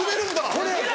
これ。